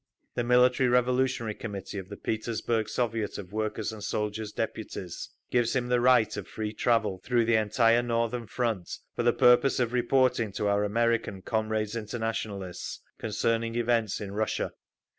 The Military Revolutionary Committee of the Petersburg Soviet of Workers' and Soldiers' Deputies gives him the right of free travel through the entire Northern front, for the purpose of reporting to our American comrades—internationalists concerning events in Russia.